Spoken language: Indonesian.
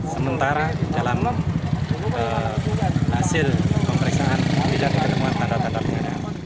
sementara dalam hasil pemeriksaan tidak terkena tanda tanda kekerasan